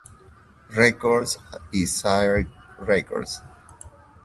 Records y Sire Records.